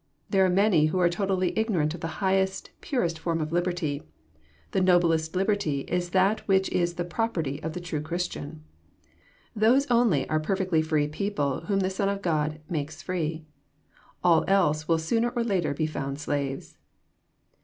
There are many who are totally ignorant of the highest, purest form of liberty. The noblest liberty is that which is the property of the true Christian. Those only are perfectly free people whom the Son of God " makes free." All else will sooner or later be found slaves.